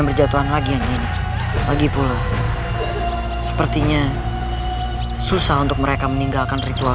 berjatuhan lagi yang gini lagi pula sepertinya susah untuk mereka meninggalkan ritual